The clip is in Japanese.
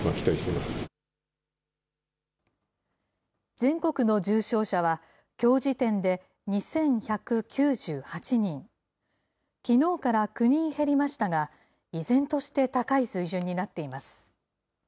全国の重症者は、きょう時点で２１９８人、きのうから９人減りましたが、依然として高い水準になっています。